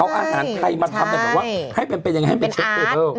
เอาอาหารไทยมาทำแบบว่าให้เป็นเป็นยังไงให้เป็นเชฟเทเบิล